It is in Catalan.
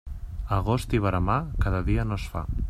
Agost i veremar, cada dia no es fa.